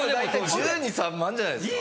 １２１３万じゃないですか？